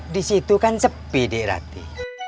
di situ kan sepi di rati